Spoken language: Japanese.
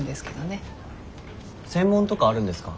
専門とかあるんですか？